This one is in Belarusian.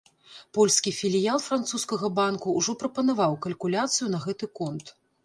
Польскі філіял французскага банку ўжо прапанаваў калькуляцыю на гэты конт.